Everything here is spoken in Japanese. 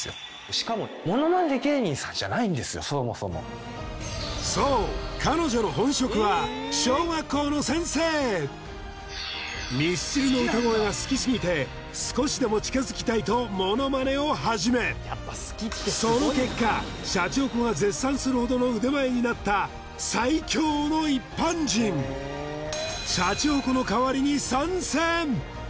しかもそもそもそう彼女の本職はミスチルの歌声が好きすぎて少しでも近づきたいとモノマネを始めその結果シャチホコが絶賛するほどの腕前になった最強の一般人シャチホコの代わりに参戦！